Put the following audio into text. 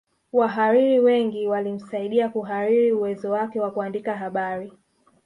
Wahariri wengi walimsaidia kuhariri uwezo wake wa kuandika habari